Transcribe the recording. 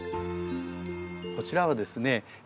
こちらはですね